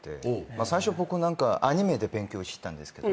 最初僕アニメで勉強してたんですけど。